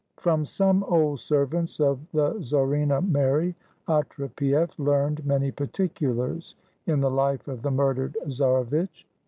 6S RUSSIA From some old servants of the Czarina Mary, Otre pief learned many particulars in the life of the murdered czarevitch.